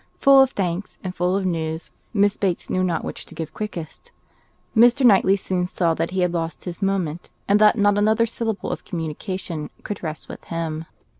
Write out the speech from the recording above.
Full of thanks, and full of news, Miss Bates knew not which to give quickest. Mr. Knightley soon saw that he had lost his moment, and that not another syllable of communication could rest with him.